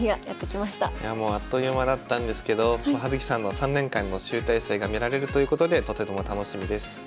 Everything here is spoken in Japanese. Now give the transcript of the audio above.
あっという間だったんですけど葉月さんの３年間の集大成が見られるということでとても楽しみです。